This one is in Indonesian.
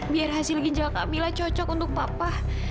biar hasil ginjal kamila cocok untuk papa